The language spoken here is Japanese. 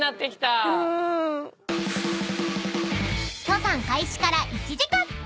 ［登山開始から１時間］